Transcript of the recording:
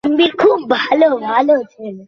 পরে তিনি মার্কিন যুক্তরাষ্ট্র এর মিত্র হন।